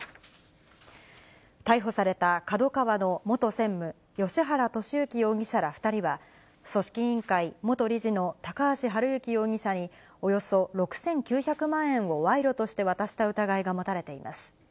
逮捕されたＫＡＤＯＫＡＷＡの元専務、芳原世幸容疑者ら２人は、組織委員会元理事の高橋治之容疑者に、およそ６９００万円を賄賂として渡した疑いが持たれています。